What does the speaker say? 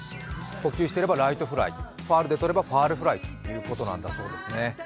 捕球していればライトフライ、ファウルでとればファウルフライということなんだそうです。